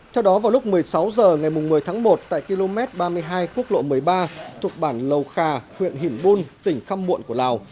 theo đó vào lúc một mươi sáu h ngày một mươi tháng một tại km ba mươi hai khuốc lộ một mươi ba thuộc bản lâu kha huyện hình bun tỉnh khăm muộn của lào